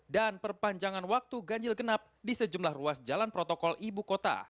dan perpanjangan waktu ganjil genap di sejumlah ruas jalan protokol ibu kota